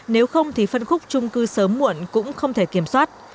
nếu không thì phân khúc trung cư sớm muộn cũng không thể kiểm soát